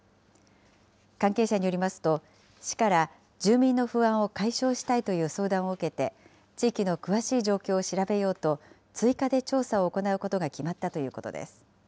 関係者によりますと、市から住民の不安を解消したいという相談を受けて、地域の詳しい状況を調べようと、追加で調査を行うことが決まったということです。